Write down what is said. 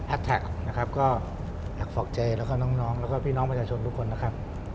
แอดแท็กแอดฟอกเจแล้วก็น้องแล้วก็พี่น้องประชาชนทุกคนนะครับ